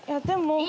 でも。